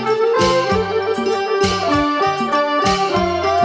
เธอไม่รู้ว่าเธอไม่รู้